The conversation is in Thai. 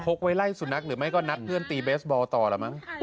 กไว้ไล่สุนัขหรือไม่ก็นัดเพื่อนตีเบสบอลต่อละมั้ง